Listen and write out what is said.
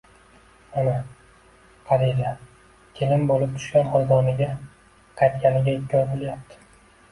Mana, Qadira kelin boʻlib tushgan xonadoniga qaytganiga ikki oy boʻlyapti